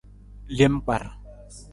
Lem kpar.